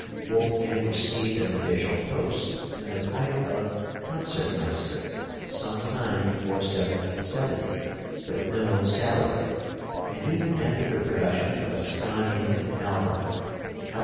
Wolfgang received an official post and the title of Concertmeister some time before 1770, but no salary; and even after the production of "Ascanio in Alba" L.